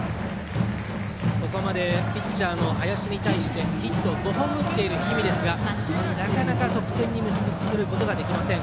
ここまでピッチャーの林に対してヒット５本を打っている氷見ですがなかなか、得点に結び付けることができません。